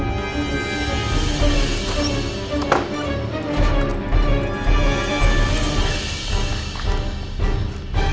kuncinya kok gak ada